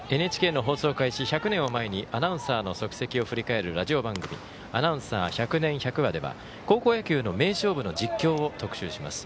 ＮＨＫの放送１００年を前にアナウンサーの足跡を振り返るラジオ番組「アナウンサー百年百話」では高校野球の名勝負を実況、特集します。